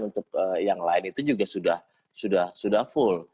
untuk yang lain itu juga sudah full